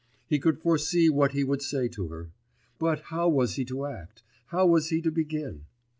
he could foresee what he would say to her; but how was he to act, how was he to begin?